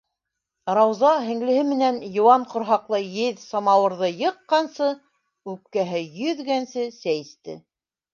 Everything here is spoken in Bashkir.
Рауза һеңлеһе менән йыуан ҡорһаҡлы еҙ самауырҙы йыҡҡансы, үпкәһе йөҙгәнсе сәй эсте.